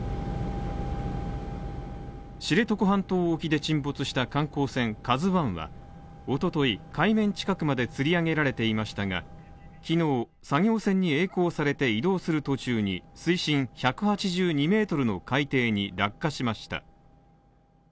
知床半島沖で沈没した観光船「ＫＡＺＵ１」はおととい海面近くまでつり上げられていましたが、昨日、作業船にえい航されて移動する途中に水深１８２ｍの海底に落下しました。